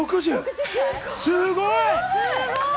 すごい！